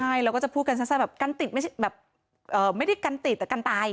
ใช่เราก็จะพูดกันสั้นแบบกันติดไม่ใช่แบบไม่ได้กันติดแต่กันตาย